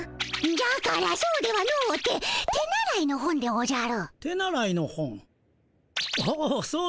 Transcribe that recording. じゃからそうではのうて手習いの本でおじゃる。